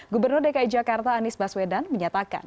gubernur dki jakarta anies baswedan menyatakan